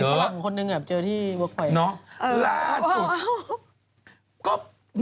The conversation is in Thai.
มีสิ่งหลังคนหนึ่งแบบเจอที่เวิร์คไฟ